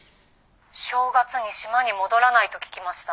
正月に島に戻らないと聞きました。